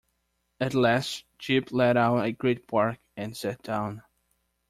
At last Jip let out a great bark and sat down.